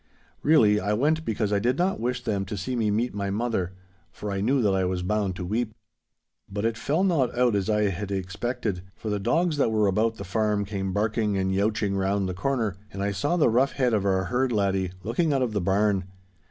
Really, I went because I did not wish them to see me meet my mother, for I knew that I was bound to weep. But it fell not out as I had expected, for the dogs that were about the farm came barking and youching round the corner, and I saw the rough head of our herd laddie looking out of the barn.